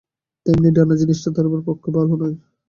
তেমনি ডানা জিনিসটাও ধরবার পক্ষে ভালো নয়।